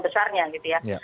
besarnya gitu ya